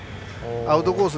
アウトコース